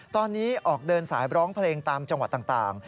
ตอนนี้ออกเดินสายร้องเพลงตามจังหวัดต่าง